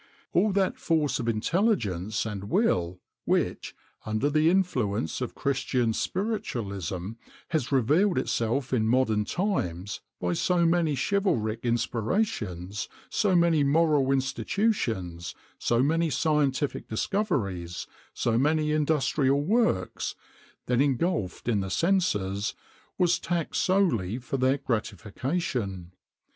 All that force of intelligence and will which, under the influence of Christian spiritualism, has revealed itself in modern times by so many chivalric inspirations, so many moral institutions, so many scientific discoveries, so many industrial works, then ingulfed in the senses, was taxed solely for their gratification.